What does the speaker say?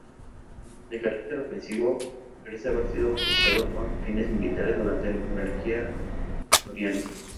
De carácter defensivo, parece haber sido aprovechado con fines militares durante la Monarquía asturiana.